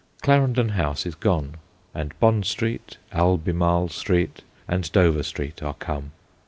Clarendon House is gone, and Bond Street, Albemarle Street, and Dover Street are come.